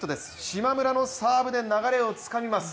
島村のサーブで流れをつかみます。